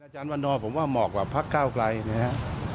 อาจารย์วันนอมผมว่าเหมาะกว่าภาคก้าวกลายนะฮะ